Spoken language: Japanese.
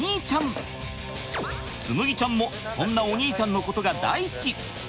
紬ちゃんもそんなお兄ちゃんのことが大好き。